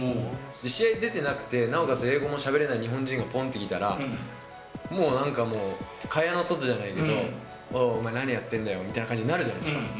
試合出てなくて、なおかつ、英語もしゃべれない日本人がぽんって来たら、もうなんか、もう、蚊帳の外じゃないけど、お前、何やってんだよみたいに感じになるじゃないですか。